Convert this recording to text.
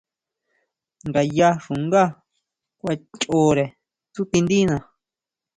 Ngayá xungá kuan choʼre tsútindina.